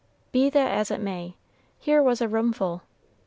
Be that as it may, here was a roomful.